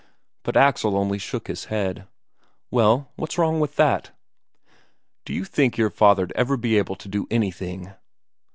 But Axel only shook his head. "Well, what's wrong with that?" "D'you think your father'd ever be able to do anything?"